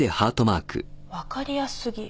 分かりやすすぎ。